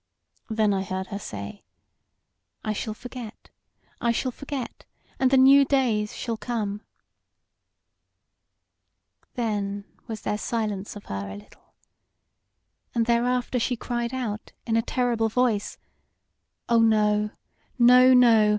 Then I heard her say: 'I shall forget; I shall forget; and the new days shall come.' Then was there silence of her a little, and thereafter she cried out in a terrible voice: 'O no, no, no!